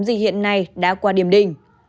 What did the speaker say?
gì hiện nay đã qua điểm đình